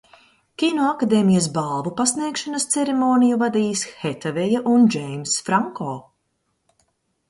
Kinoakadēmijas balvu pasniegšanas ceremoniju vadīs Hetaveja un Džeimss Franko.